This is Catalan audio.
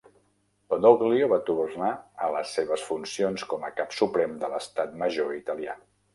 Badoglio va tornar a les seves funcions com a cap suprem de l'Estat Major Italià.